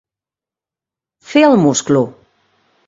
Fer el musclo.